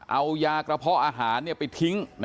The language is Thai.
เอายากระเพาะอาหารไปทิ้ง